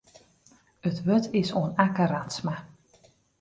It wurd is oan Akke Radsma.